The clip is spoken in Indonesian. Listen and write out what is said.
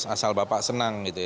asal bapak senang gitu ya